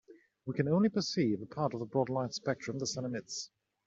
We can only perceive a part of the broad light spectrum the sun emits.